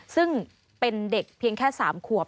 ซึ่งเป็นเด็กเพียงแค่๓ขวบ